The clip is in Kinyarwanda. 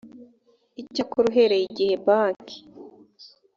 icyakora uhereye igihe banki